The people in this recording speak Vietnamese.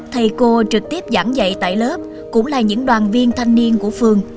thầy cô trực tiếp giảng dạy tại lớp cũng là những đoàn viên thanh niên của phường